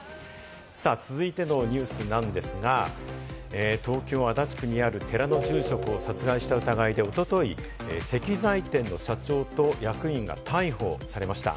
続いてのニュースなんですが、東京・足立区にある寺の住職を殺害した疑いでおととい、石材店の社長と役員が逮捕されました。